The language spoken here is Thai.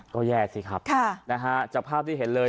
ก็แย่สิครับนะฮะจากภาพที่เห็นเลย